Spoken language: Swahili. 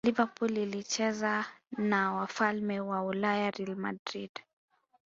liverpool ilicheza na wafalme wa ulaya real madrid